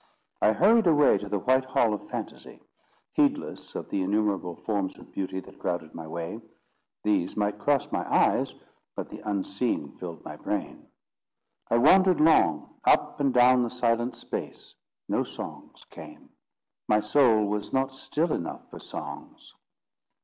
I hurried away to the white hall of Phantasy, heedless of the innumerable forms of beauty that crowded my way: these might cross my eyes, but the unseen filled my brain. I wandered long, up and down the silent space: no songs came. My soul was not still enough for songs.